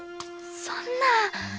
そんな！